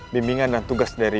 bimbingan dan tugas dari